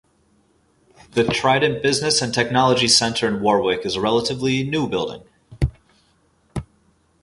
The Trident Business and Technology Centre in Warwick is a relatively new building.